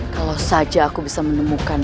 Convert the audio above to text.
kalau saja aku bisa menemukan